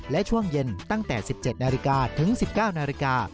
และช่วงเย็นตั้งแต่๑๗นาฬิกาถึง๑๙นาฬิกา